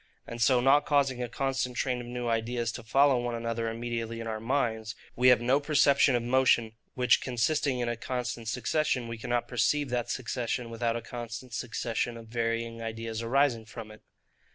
And so not causing a constant train of new ideas to follow one another immediately in our minds, we have no perception of motion; which consisting in a constant succession, we cannot perceive that succession without a constant succession of varying ideas arising from it.